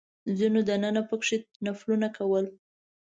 ځینو دننه په کې نفلونه کول.